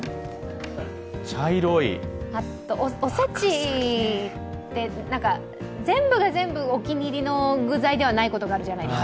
茶色いおせちって、全部が全部お気に入りの具材ではないことがあるじゃないです。